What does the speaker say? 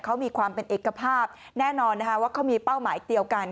เขามีความเป็นเอกภาพแน่นอนนะคะว่าเขามีเป้าหมายเดียวกัน